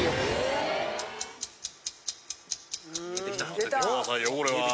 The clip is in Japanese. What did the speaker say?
当ててくださいよこれは。